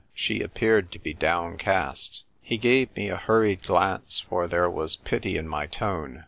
" She appeared to be downcast." He gave me a hurried glance, for there was pity in my tone.